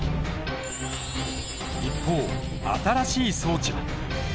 一方新しい装置は。